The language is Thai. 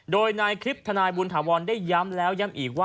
โดยในคลิปทนายบุญถาวรได้ย้ำแล้วย้ำอีกว่า